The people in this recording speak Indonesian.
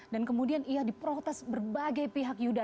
dan kemudian ia diprotes berbagai pihak yudha